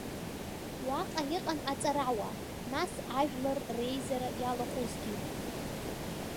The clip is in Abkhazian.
Уаҟа иҟан аҵарауаа, нас ажәлар реизара иалахәызгьы.